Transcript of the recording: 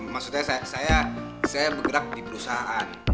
maksudnya saya bergerak di perusahaan